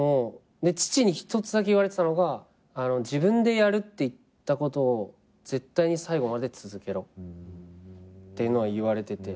で父に１つだけ言われてたのが「自分でやるって言ったことを絶対に最後まで続けろ」っていうのは言われてて。